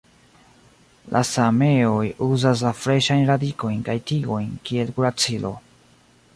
La sameoj uzas la freŝajn radikojn kaj tigojn kiel kuracilo.